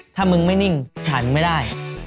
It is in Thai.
ถ้าไม่นิ่งถ่ายไม่ได้